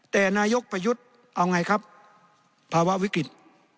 แต่นายกไปยึดเอาไงครับภาวะวิกฤติ